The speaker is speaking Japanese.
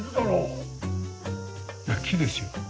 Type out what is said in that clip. いや木ですよ。